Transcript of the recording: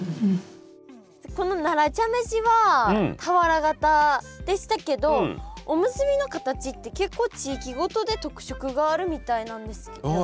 この奈良茶飯は俵型でしたけどおむすびの形って結構地域ごとで特色があるみたいなんですよね。